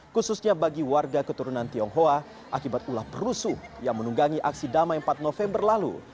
khususnya bagi warga keturunan tionghoa akibat ulah perusuh yang menunggangi aksi damai empat november lalu